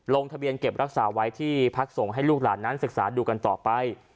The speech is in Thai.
ลงทะเบียนเก็บรักษาไว้ที่พักส่งให้ลูกหลานนั้นศึกษาดูกันต่อไป